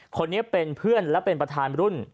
คนนี้เป็นเพื่อนและเป็นประธานรุ่น